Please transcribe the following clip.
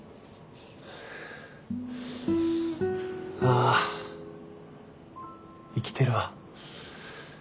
あ生きてるわ。